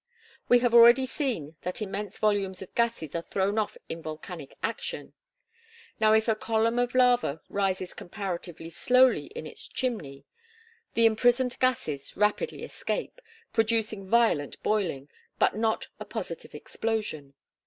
We have already seen that immense volumes of gases are thrown off in volcanic action. Now if a column of lava rises comparatively slowly in its "chimney," the imprisoned gases rapidly escape, producing violent boiling, but not a positive explosion.